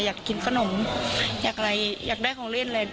อยากกินขนมอยากอะไรอยากได้ของเล่นอะไร